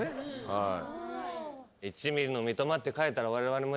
はい。